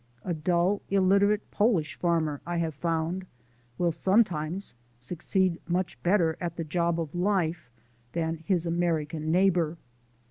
A dull, illiterate Polish farmer, I have found, will sometimes succeed much better at the job of life than his American neighbour.